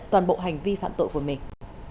toàn bộ hành vi phạm tội của mình